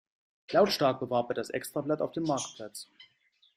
Lautstark bewarb er das Extrablatt auf dem Marktplatz.